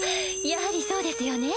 やはりそうですよね？